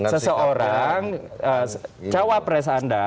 seseorang cawapres anda